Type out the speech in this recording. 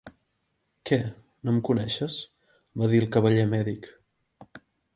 "Què, no em coneixes?" va dir el cavaller mèdic.